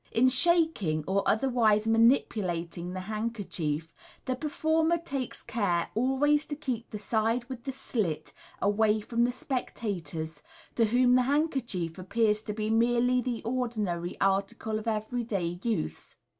In shaking or otherwise manipulating the handkerchief, the performer takes care always to keep the side with the slit away from the spectators, to whom the handkerchief appears to be merely the ordinary article of everyday use.